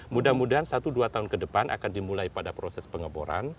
mudah mudahan satu dua tahun ke depan akan dimulai pada proses pengeboran